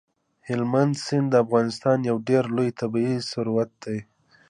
هلمند سیند د افغانستان یو ډېر لوی طبعي ثروت دی.